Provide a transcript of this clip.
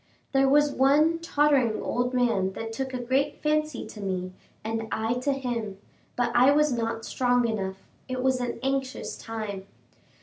There was one tottering old man that took a great fancy to me, and I to him, but I was not strong enough it was an anxious time!